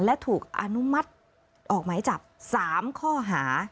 และถูกอนุมัติออกหมายจับ๓ข้อหา